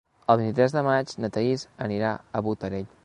El vint-i-tres de maig na Thaís anirà a Botarell.